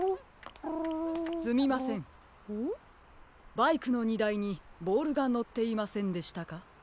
バイクのにだいにボールがのっていませんでしたか？